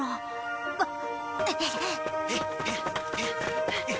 あっ！